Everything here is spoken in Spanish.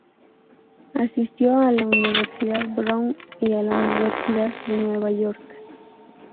Asistió a la Universidad Brown y a la Universidad de Nueva York.